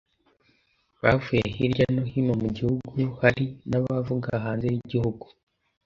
bavuye hirya no hino mu gihugu Hari n abavaga hanze y igihugu